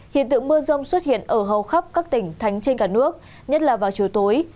hiện tượng mưa rông xuất hiện ở hầu khắp các tỉnh thành trên cả nước nhất là vào chiều tối